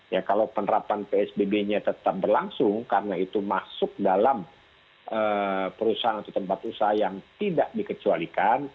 ya kalau penerapan psbb nya tetap berlangsung karena itu masuk dalam perusahaan atau tempat usaha yang tidak dikecualikan